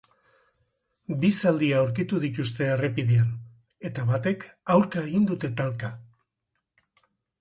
Bi zaldi aurkitu dituzte errepidean eta batek aurka egin dute talka.